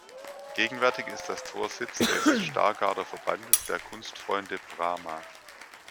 Gegenwärtig ist das Tor Sitz des Stargarder Verbandes der Kunstfreunde „Brama“.